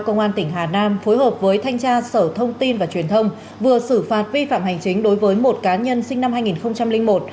công an tỉnh hà nam phối hợp với thanh tra sở thông tin và truyền thông vừa xử phạt vi phạm hành chính đối với một cá nhân sinh năm hai nghìn một